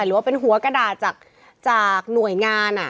หรือว่าเป็นหัวกระดาษจากหน่วยงาน